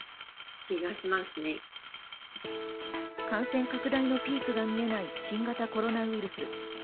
感染拡大のピークが見えない新型コロナウイルス。